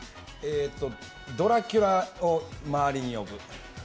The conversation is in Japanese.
ドラキュラを周りに呼ぶ。